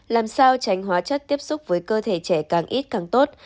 làm sao tránh hóa chất tiếp xúc với cơ thể trẻ càng ít càng tốt